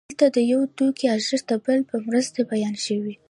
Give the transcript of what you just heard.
دلته د یو توکي ارزښت د بل په مرسته بیان شوی